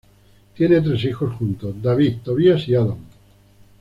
Tienen tres hijos juntos: David, Tobias y Adam.